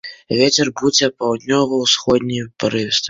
Вецер будзе паўднёва-ўсходні, парывісты.